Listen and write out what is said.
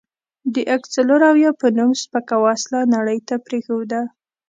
د اک څلوراویا په نوم سپکه وسله نړۍ ته پرېښوده.